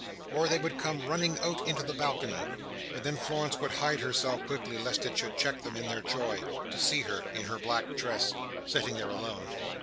Or they would come running out into the balcony; and then Florence would hide herself quickly, lest it should check them in their joy, to see her in her black dress, sitting there alone.